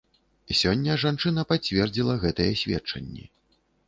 Сёння жанчына пацвердзіла гэтыя сведчанні.